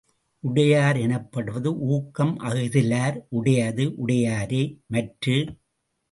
உடையர் எனப்படுவது ஊக்கம் அஃதிலார் உடையது உடையரோ மற்று?